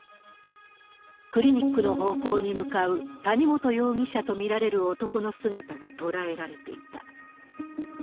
クリニックの方向に向かう谷本容疑者と見られる男の姿が捉えられていた。